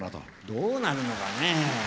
どうなるのかね？